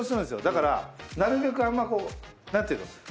だからなるべくあんまこう何ていうの？